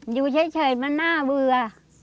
อยู่เฉยมันหน้าเวลา